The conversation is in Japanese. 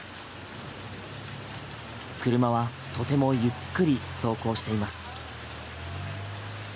車はとてもゆっくり走行しています。